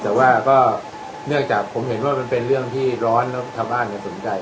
แต่ว่าก็เนื่องจากผมเห็นว่ามันเป็นเรื่องที่ร้อนแล้วชาวบ้านสนใจ